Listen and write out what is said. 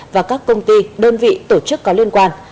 và các công ty đơn vị tổ chức có liên quan